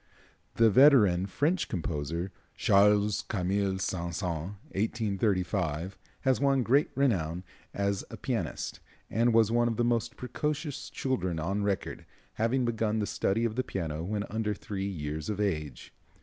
The veteran French composer, Charles Camille Saint Saëns (1835 ), has won great renown as a pianist, and was one of the most precocious children on record, having begun the study of the piano when under three years of age.